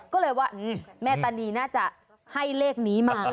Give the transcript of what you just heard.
ก็เลยว่าแม่ตานีน่าจะให้เลขนี้มา